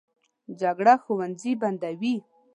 جګړه ښوونځي بندوي